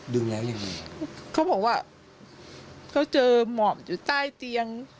ดูแล้วยังไงเขาบอกว่าเขาเจอหมอบอยู่ใต้เตียง